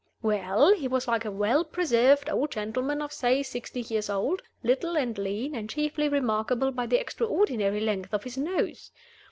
Well, he was like a well preserved old gentleman of, say, sixty years old, little and lean, and chiefly remarkable by the extraordinary length of his nose.